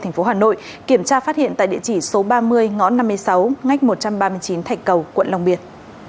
tp hcm kiểm tra phát hiện tại địa chỉ số ba mươi ngõ năm mươi sáu ngách một trăm ba mươi chín thạch cầu quận long biên